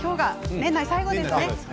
年内最後です。